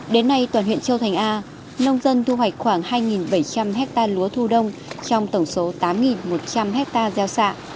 đến nay toàn huyện châu thành a nông dân thu hoạch khoảng hai bảy trăm linh hectare lúa thu đông trong tổng số tám một trăm linh hectare gieo xạ